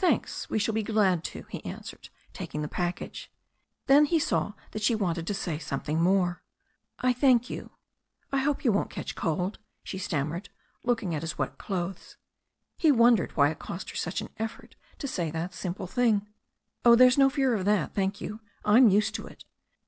^Thanks, we shall be glad to," he answered, taking the package. Then he saw that she wanted to say something more. 20 THE STORY OF A NEW ZEALAND RIVER "I thank you — I hope you won't catch cold," she stam mered, looking at his wet clothes. He wondered why it cost her such an effort to say that simple thing. "Oh, there's no fear of that, thank you. I'm used to it.